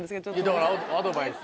だからアドバイス。